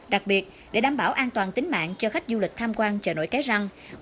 đặc biệt để đảm bảo an toàn tính mạng cho khách du lịch tham quan chợ nổi cái răng